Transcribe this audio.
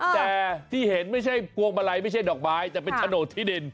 แต่ที่เห็นไม่ใช่กวงมาไรไม่ใช่ดอกบ้ายแต่เป็นชะโนดที่ดิน